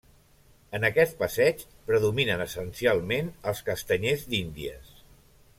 En aquest passeig predominen essencialment els castanyers d'Índies.